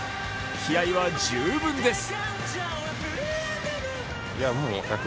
気合いは十分です。